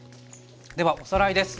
ではおさらいです。